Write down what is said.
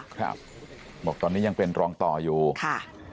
ครับบอกตอนนี้ยังเป็นรองต่ออยู่ค่ะ